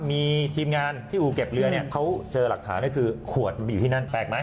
มีทีมงานที่อู่เก็บเรือเนี่ยเขาเจอหลักฐานก็คือขวดไปอยู่ที่นั่นแปลกไหม